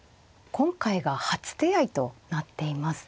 今回が初手合いとなっています。